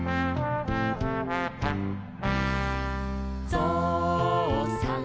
「ぞうさん